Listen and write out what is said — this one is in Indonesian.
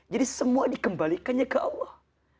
jadi semua dikembalikannya ke allah